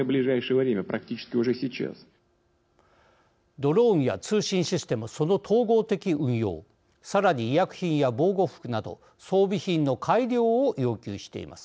ドローンや通信システムその統合的運用、さらに医薬品や防護服など装備品の改良を要求しています。